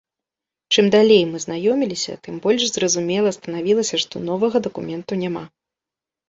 Чым далей мы знаёміліся, тым больш зразумела станавілася, што новага дакументу няма.